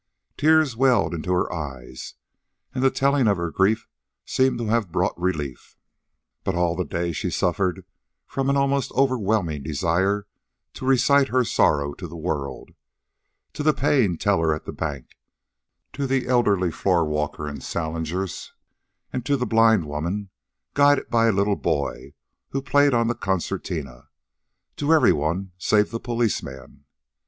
Tears welled into her eyes, and the telling of her grief seemed to have brought relief. But all the day she suffered from an almost overwhelming desire to recite her sorrow to the world to the paying teller at the bank, to the elderly floor walker in Salinger's, to the blind woman, guided by a little boy, who played on the concertina to every one save the policeman.